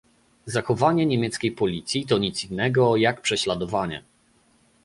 Zachowanie niemieckiej policji to nic innego, jak prześladowanie